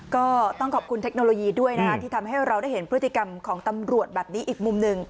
ก็ต้องขอบคุณเทคโนโลยีด้วยนะคะที่ทำให้เราได้เห็นพฤติกรรมของตำรวจแบบนี้อีกมุมหนึ่ง